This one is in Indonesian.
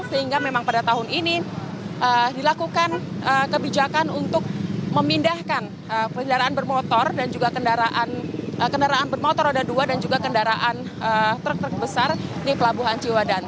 sehingga memang pada tahun ini dilakukan kebijakan untuk memindahkan kendaraan bermotor roda dua dan juga kendaraan truk truk besar di pelabuhan cewanan